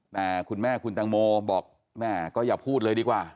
แต่คุณแม่คุณตังโมบอกแม่ก็อย่าพูดเลยดีกว่า